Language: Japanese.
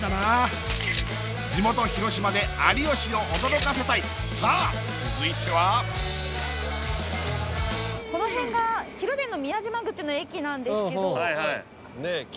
地元広島で有吉を驚かせたいさあ続いてはこの辺が広電の宮島口の駅なんですけどねえ